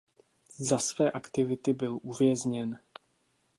Za své aktivity byl uvězněn.